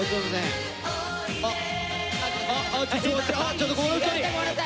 ちょっとこの２人！